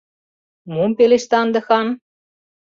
Мом пелешта ынде хан?